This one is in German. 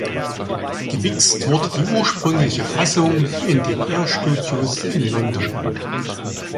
Gemixt wurde die ursprüngliche Fassung in den Air Studios in London.